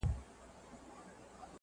o د قاضي عاید لا نور پسي زیاتېږي,